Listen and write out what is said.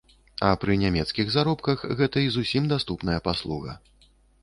А пры нямецкіх заробках гэта і зусім даступная паслуга.